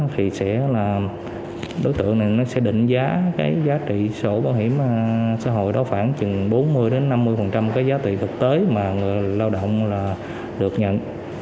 thì đối tượng này sẽ định giá giá trị sổ bảo hiểm xã hội đó khoảng bốn mươi năm mươi giá trị thực tế mà người lao động được nhận